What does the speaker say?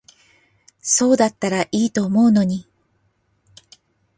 そうだったら良いと思うのに。